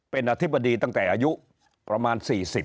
เป็นอธิบดีตั้งแต่อายุประมาณ๔๐